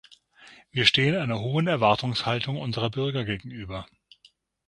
Wir stehen einer hohen Erwartungshaltung unserer Bürger gegenüber.